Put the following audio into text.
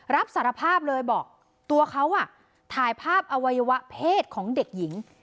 รับสารภาพเลยบอกตัวเขาถ่ายภาพอวัยวะเพศของเด็กหญิง